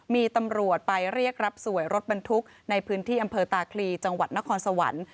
มีตำรวจไปเรียกรับสวยรถบรรทุกในพื้นที่อำเภอตาคลีจังหวัดนครสวรรค์